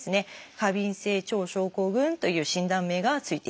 「過敏性腸症候群」という診断名が付いていきます。